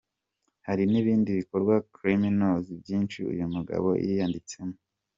Hari n’ibindi bikorwa criminels byinshi uyu mugabo yijanditsemo.